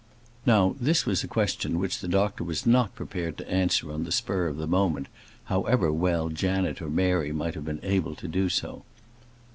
Now this was a question which the doctor was not prepared to answer on the spur of the moment, however well Janet or Mary might have been able to do so.